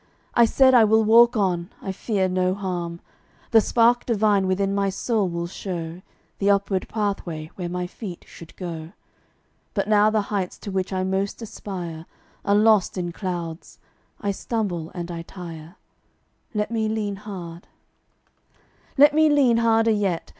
I said I will walk on, I fear no harm, The spark divine within my soul will show The upward pathway where my feet should go. But now the heights to which I most aspire Are lost in clouds. I stumble and I tire: Let me lean hard. Let me lean harder yet.